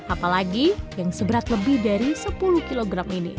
apalagi yang seberat lebih dari sepuluh kg ini